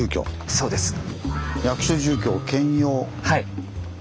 そうですね。